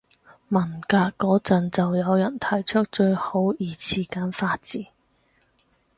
文革嗰陣就有人提出最好二次簡化字